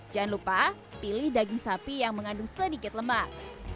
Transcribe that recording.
jangan lupa pilih daging sapi yang mengandung sedikit lemak